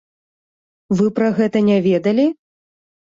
Вы пра гэта не ведалі?